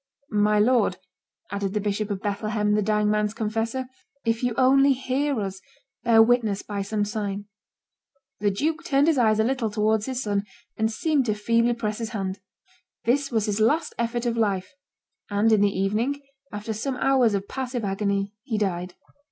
"My lord," added the Bishop of Bethlehem, the dying man's confessor, "if you only hear us, bear witness by some sign." The duke turned his eyes a little towards his son, and seemed to feebly press his hand. This was his last effort of life; and in the evening, after some hours of passive agony, he died.